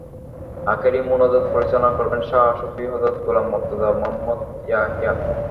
আখেরি মোনাজাত পরিচালনা করবেন শাহ সুফি হজরত গোলাম মতুর্জা মুহাম্মদ ইয়াহিয়া।